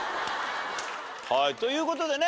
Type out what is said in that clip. はいという事でね